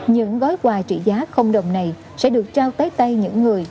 những gói quà trị giá đồng này sẽ được trao tới tay những người